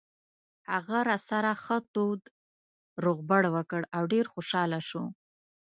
هغه راسره ښه تود روغبړ وکړ او ډېر خوشاله شو.